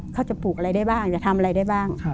เขาจะปลูกอะไรได้บ้างจะทำอะไรได้บ้าง